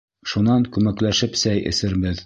Шунан күмәкләшеп сәй эсербеҙ.